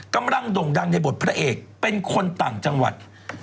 โด่งดังในบทพระเอกเป็นคนต่างจังหวัด